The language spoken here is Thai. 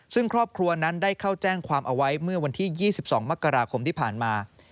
ซึ่งครอบครัวนั้นได้เข้าแจ้งความเอาไว้เมื่อวันที่๒๒มกราคมที่ผ่านมา